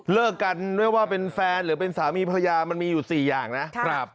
เลิกกันไม่ว่าเป็นแฟนหรือเป็นสามีภรรยามันมีอยู่๔อย่างนะครับ